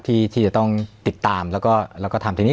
ที่จะต้องติดตามแล้วก็ทำทีนี้